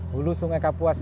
hulu sungai kapuas